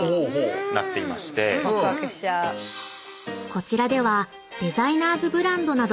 ［こちらでは］